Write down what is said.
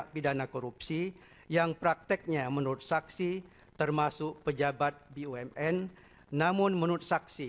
pidana korupsi yang prakteknya menurut saksi termasuk pejabat bumn namun menurut saksi